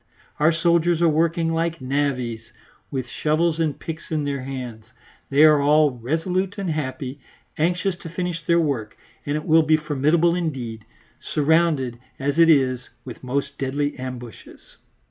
Our soldiers are working like navvies with shovels and picks in their hands. They are all resolute and happy, anxious to finish their work, and it will be formidable indeed, surrounded as it is with most deadly ambushes.